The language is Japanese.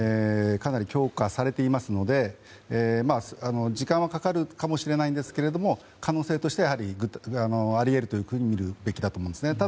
かなり強化されていますので時間はかかるかもしれないんですが可能性としてはあり得ると見るべきだと思います。